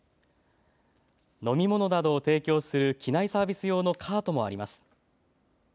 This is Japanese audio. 飲み物などを提供する機内サービス用のカートもあります。